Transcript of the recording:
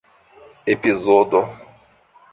epizodo